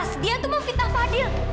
batas dia itu memfitnah fadil